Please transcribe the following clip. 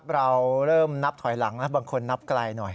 เราเริ่มนับถอยหลังนะบางคนนับไกลหน่อย